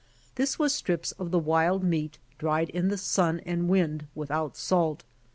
'J'his was strips of the wild m^eat dried in the sun and wind without salt.